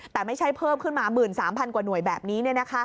แต่ไม่ใช่เพิ่มขึ้นมา๑๓๐๐กว่าหน่วยแบบนี้